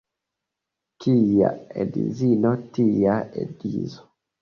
Kia edzino, tia edzo.